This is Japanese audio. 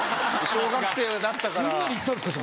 小学生だったから。